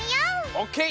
オッケー。